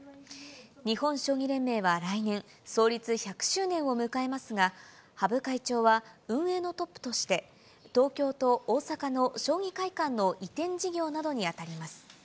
日本将棋連盟は来年、創立１００周年を迎えますが、羽生会長は運営のトップとして、東京と大阪の将棋会館の移転事業などに当たります。